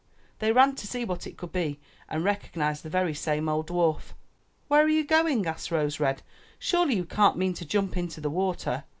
They ran to see what it could be and recognized the very same old dwarf. ^'Where are you going?" asked Rose red. "Surely you can't mean to jump into the water."